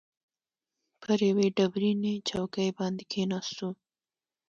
پر یوې ډبرینې چوکۍ باندې کښېناستو.